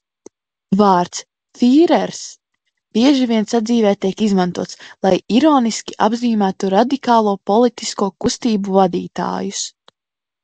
"Vārds "fīrers" bieži vien sadzīvē tiek izmantots, lai ironiski apzīmētu radikālo politisko kustību vadītājus."